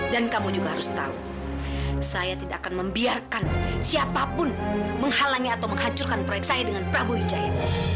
dan kamu juga harus tahu saya tidak akan membiarkan siapapun menghalangi atau menghancurkan proyek saya dengan prabu wijaya